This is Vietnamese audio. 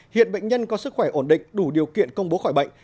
hiện bệnh nhân có sức khỏe ổn định đủ điều kiện công bố khỏi bệnh